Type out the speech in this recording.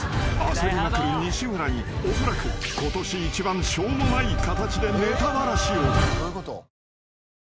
［焦りまくる西村におそらくことし一番しょうもない形でネタバラシを］